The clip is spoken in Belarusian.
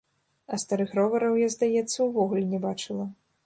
А старых ровараў я, здаецца, увогуле не бачыла.